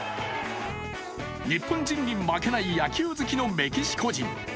日本人に負けない野球好きのメキシコ人。